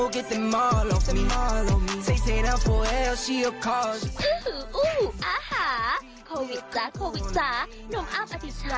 กลับไป